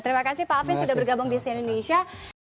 terima kasih pak alvin sudah bergabung di sin indonesia